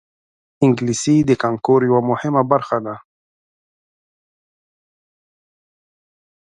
انګلیسي د کانکور یوه مهمه برخه ده